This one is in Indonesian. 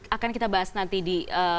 akan kita bahas nanti di